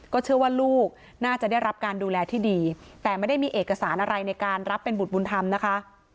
เชื่อว่าลูกน่าจะได้รับการดูแลที่ดีแต่ไม่ได้มีเอกสารอะไรในการรับเป็นบุตรบุญธรรมนะคะ